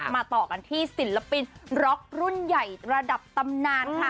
ต่อกันที่ศิลปินร็อกรุ่นใหญ่ระดับตำนานค่ะ